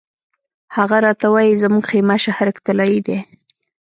هغه راته وایي زموږ خیمه شهرک طلایي دی.